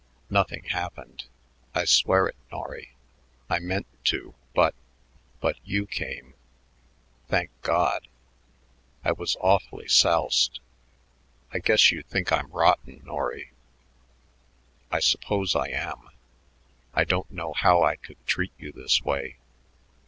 "Nothing happened. I swear it, Norry. I meant to but but you came thank God! I was awfully soused. I guess you think I'm rotten, Norry. I suppose I am. I don't know how I could treat you this way.